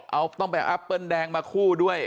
เอาต้องไปแอปเปิ้ลแดงมาคู่ด้วย